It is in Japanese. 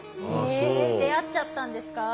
え出会っちゃったんですか？